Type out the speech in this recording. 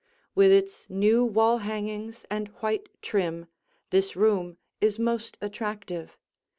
With its new wall hangings and white trim, this room is most attractive.